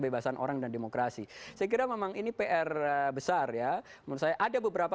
kebebasan orang dan demokrasi segera memang ini pr besar ya menurut saya ada beberapa